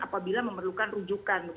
apabila memerlukan rujukan